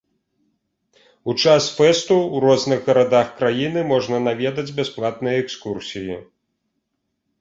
У час фэсту ў розных гарадах краіны можна наведаць бясплатныя экскурсіі.